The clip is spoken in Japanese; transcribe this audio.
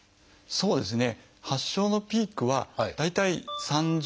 そうですね。